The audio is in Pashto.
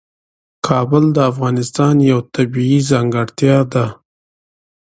کابل د افغانستان یوه طبیعي ځانګړتیا ده.